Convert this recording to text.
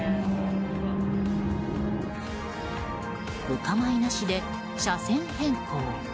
お構いなしで車線変更！